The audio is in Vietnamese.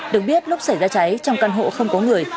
được biết lúc xảy ra cháy trong căn hộ không có người